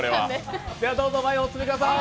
どうぞ前にお進みください。